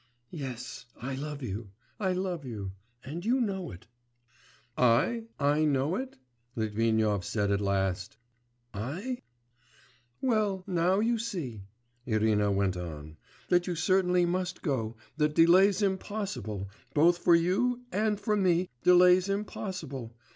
'Yes, I love you ... I love you ... and you know it.' 'I? I know it?' Litvinov said at last; 'I?' 'Well, now you see,' Irina went on, 'that you certainly must go, that delay's impossible ... both for you, and for me delay's impossible.